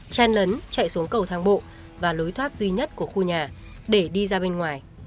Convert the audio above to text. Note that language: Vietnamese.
chen lấn chạy xuống cầu thang bộ và lối thoát duy nhất của khu nhà để đi ra bên ngoài